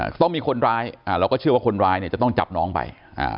ก็ต้องมีคนร้ายอ่าเราก็เชื่อว่าคนร้ายเนี่ยจะต้องจับน้องไปอ่า